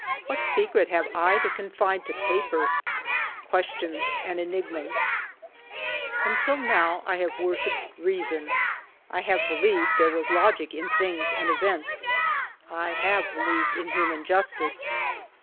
'^ What secret have I to confide to paper ? Questions and enigmas ! Until now I have worshipped reason, I have believed there was logic in things and events, I have believed in human justice